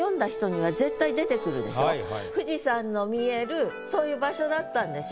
その富士山の見えるそういう場所だったんでしょ？